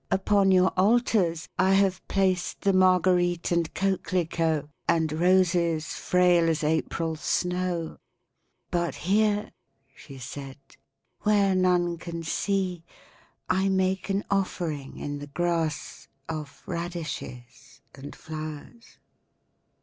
Upon your altars, I have placed The marguerite and coquelicot. And roses Frail as April snow; But here"; she said, "Where none can see, I make an offering, in the grass. Of radishes and flowers."